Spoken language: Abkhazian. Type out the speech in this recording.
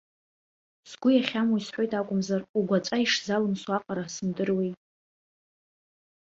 Сгәы иахьамуа исҳәоит акәымзар, угәаҵәа ишзалымсуа аҟара сымдыруеи.